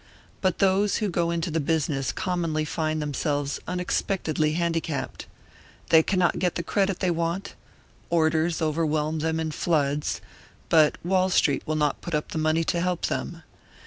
But those who go into the business commonly find themselves unexpectedly handicapped. They cannot get the credit they want; orders overwhelm them in floods, but Wall Street will not put up money to help them.